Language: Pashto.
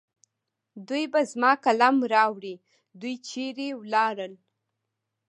دوی به زما قلم راوړي. دوی چېرې ولاړل؟